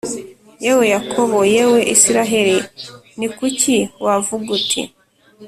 Yewe Yakobo, yewe Israheli, ni kuki wavuga uti